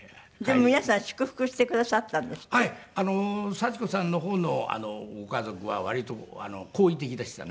幸子さんの方のご家族は割と好意的でしたね